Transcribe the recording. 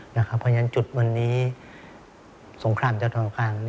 เพราะฉะนั้นจุดวันนี้สงครามจะตรงกลาง